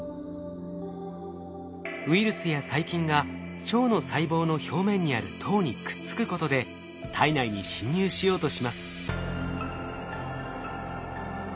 ウイルスや細菌が腸の細胞の表面にある糖にくっつくことで体内に侵入しようとします。